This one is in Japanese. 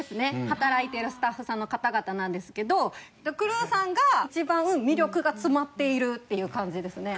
働いてるスタッフさんの方々なんですけどクルーさんが一番魅力が詰まっているっていう感じですね。